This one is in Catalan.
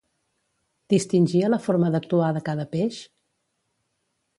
Distingia la forma d'actuar de cada peix?